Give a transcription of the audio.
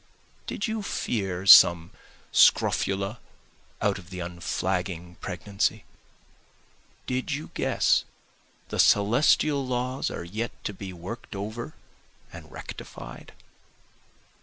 Did you fear some scrofula out of the unflagging pregnancy? Did you guess the celestial laws are yet to be work'd over and rectified?